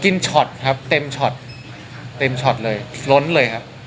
กินชอทครับเต็มชอทเลยล้นเลยครับ